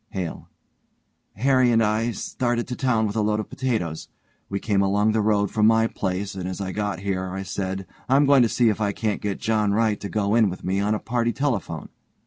HALE: Harry and I had started to town with a load of potatoes. We came along the road from my place and as I got here I said, I'm going to see if I can't get John Wright to go in with me on a party telephone.'